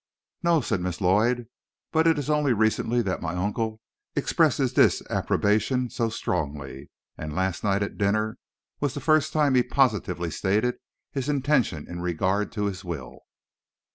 "No," said Miss Lloyd, "but it is only recently that my uncle expressed his disapprobation so strongly; and last night at dinner was the first time he positively stated his intention in regard to his will."